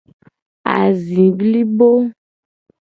Azi blibo.